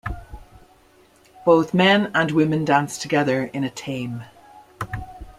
Both men and women dance together in a "tame".